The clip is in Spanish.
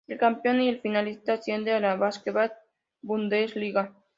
El campeón y el finalista ascienden a la Basketball-Bundesliga.